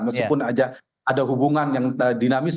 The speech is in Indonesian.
meskipun ada hubungan yang dinamis